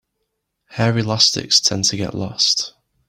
Hair elastics tend to get lost.